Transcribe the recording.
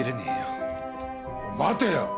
待てよ！